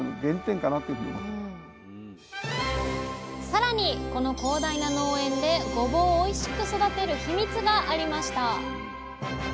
さらにこの広大な農園でごぼうをおいしく育てるヒミツがありました！